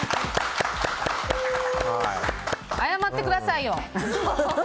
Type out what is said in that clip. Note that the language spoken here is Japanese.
謝ってくださいよ。